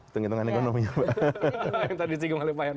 itung itungan ekonomi ya mbak